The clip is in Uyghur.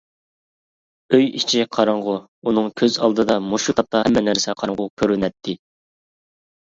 ئوي ئىچى قاراڭغۇ ، ئۇنىڭ كۆز ئالدىدا مۇشۇ تاپتا ھەممە نەرسە قاراڭغۇ كۆرۈنەتتى.